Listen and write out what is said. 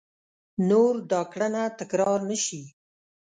نور دا کړنه تکرار نه شي !